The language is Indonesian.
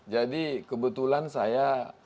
jadi kebetulan saya